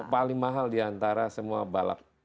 paling mahal di antara semua balap